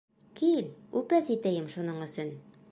Кил үпәс итәйем шуның өсөн!